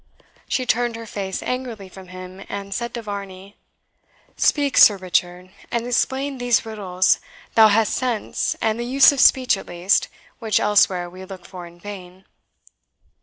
She turned her face angrily from him, and said to Varney, "Speak, Sir Richard, and explain these riddles thou hast sense and the use of speech, at least, which elsewhere we look for in vain."